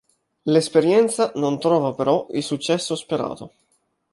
L’esperienza non trova però il successo sperato.